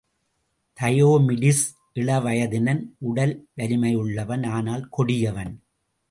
Diomedes இளவயதினன் உடல் வலிமையுள்ளவன் ஆனால் கொடியவன்.